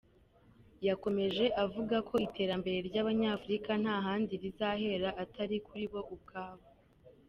Yakomeje avuga ko iterambere ry’Abanyafurika nta handi rizahera atari kuri bo ubwabo.